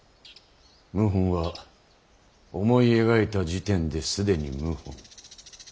謀反は思い描いた時点で既に謀反。